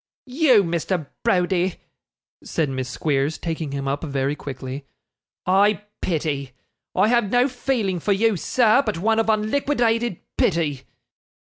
'You, Mr. Browdie,' said Miss Squeers, taking him up very quickly, 'I pity. I have no feeling for you, sir, but one of unliquidated pity.